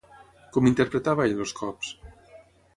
Com interpretava ell els cops?